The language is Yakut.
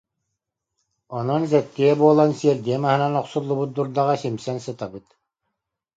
Онон сэттиэ буолан сиэрдийэ маһынан охсуллубут дурдаҕа симсэн сытабыт